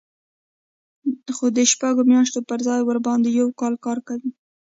خو د شپږو میاشتو پر ځای ورباندې یو کال کار کوي